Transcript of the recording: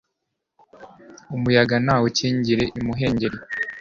umuyaga nawukingiye imuhengeri